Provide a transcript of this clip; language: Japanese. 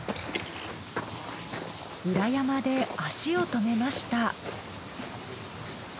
裏山で足を止めました。